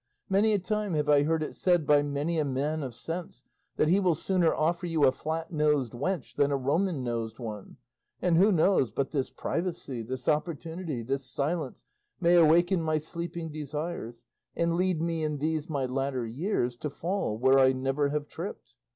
Many a time have I heard it said by many a man of sense that he will sooner offer you a flat nosed wench than a roman nosed one; and who knows but this privacy, this opportunity, this silence, may awaken my sleeping desires, and lead me in these my latter years to fall where I have never tripped?